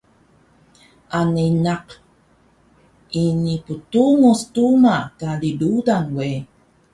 Ani naq ini pndungus duma kari rudan we